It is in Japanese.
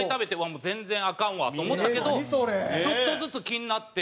もう全然アカンわと思ったけどちょっとずつ気になって。